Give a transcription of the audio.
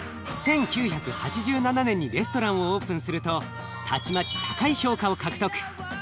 １９８７年にレストランをオープンするとたちまち高い評価を獲得。